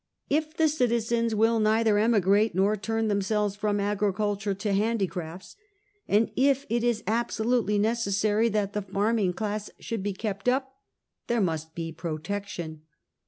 If the citizens will neither emigrate nor turn themselves from agriculture to handi crafts, and if it is absolutely necessary that the farming class should be kept up, there must be Protection.